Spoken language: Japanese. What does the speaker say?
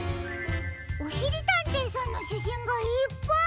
おしりたんていさんのしゃしんがいっぱい！